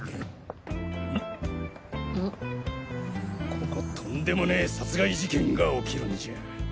ココとんでもねえ殺害事件が起きるんじゃ。